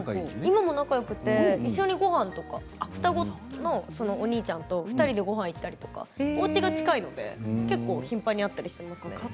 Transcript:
今も仲よくて一緒にごはんとか双子のお兄ちゃんと２人でごはんに行ったりおうちが近いので結構、頻繁に会ったりしますね。